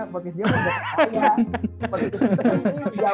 podcast dia kan buat saya